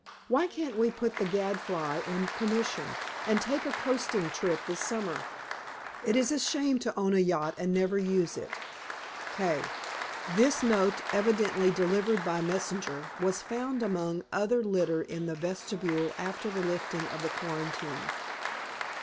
Why can't we put the Gadfly in commission, and take a coasting trip this summer? It is a shame to own a yacht and never use it. K. THIS NOTE, EVIDENTLY DELIVERED BY MESSENGER, WAS FOUND AMONG OTHER LITTER IN THE VESTIBULE AFTER THE LIFTING OF THE QUARANTINE.